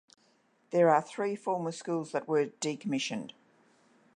There are three former schools that were decommissioned.